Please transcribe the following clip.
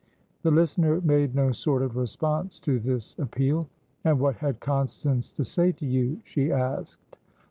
The listener made no sort of response to this appeal. "And what had Constance to say to you?" she asked.